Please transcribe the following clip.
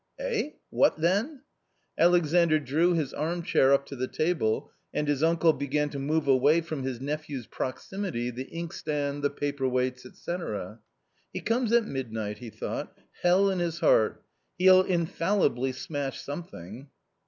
" Eh ? what then ?" Alexandr drew his armchair up to the table and his uncle began to move away from his nephew's proximity the inkstand, the paper weights, &c. " He comes at midnight," he thought, " hell in his heart ; he'll infallibly smash something."